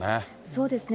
そうですね。